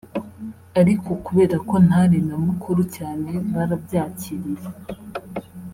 ariko kubera ko ntari na mukuru cyane barabyakiriye